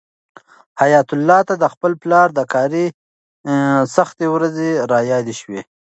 حیات الله ته د خپل پلار د کاري سختۍ ورځې رایادې شوې.